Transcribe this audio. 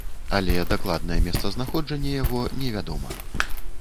Але дакладнае месцазнаходжанне яго не вядома.